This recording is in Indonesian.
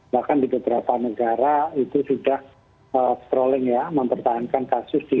bahkan di beberapa negara itu sudah strolling ya mempertahankan kasus di